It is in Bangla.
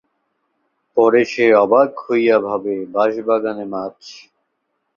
পরে সে অবাক হইয়া ভাবে-বাঁশাবাগানে মাছ!